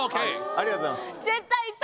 ありがとうございます。